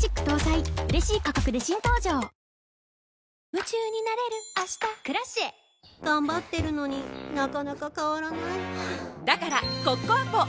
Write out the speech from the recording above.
夢中になれる明日「Ｋｒａｃｉｅ」頑張ってるのになかなか変わらないはぁだからコッコアポ！